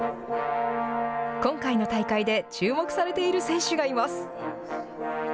今回の大会で注目されている選手がいます。